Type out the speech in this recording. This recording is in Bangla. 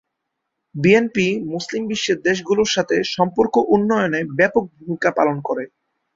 বিএনপি মুসলিম বিশ্বের দেশগুলোর সাথে সম্পর্ক উন্নয়নে ব্যাপক ভূমিকা পালন করে।